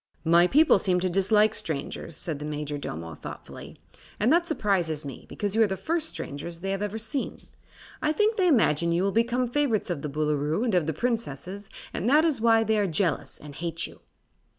"My people seem to dislike strangers," said the Majordomo, thoughtfully, "and that surprises me because you are the first strangers they have ever seen. I think they imagine you will become favorites of the Boolooroo and of the Princesses, and that is why they are jealous and hate you."